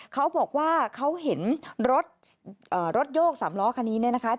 เขาบอกว่าเขาเห็นรถรถโยกสามล้อคันนี้เนี่ยนะคะ